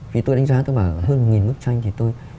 vì tôi đánh giá tôi bảo hơn một bức tranh thì tôi